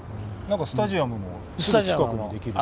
スタジアムもすぐ近くにできるって。